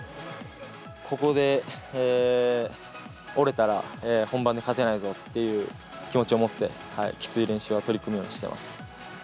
ここで折れたら、本番に勝てないぞっていう気持ちを持って、きつい練習は取り組むようにしてます。